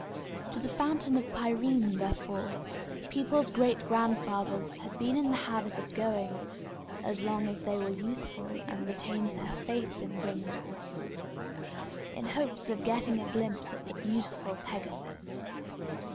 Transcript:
To the Fountain of Pirene, therefore, people's great grandfathers had been in the habit of going (as long as they were youthful and retained their faith in winged horses), in hopes of getting a glimpse at the beautiful Pegasus.